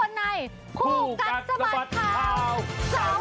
วันนี้มากัดกันให้สมัติ